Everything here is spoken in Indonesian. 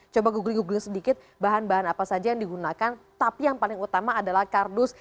coba google googling sedikit bahan bahan apa saja yang digunakan tapi yang paling utama adalah kardus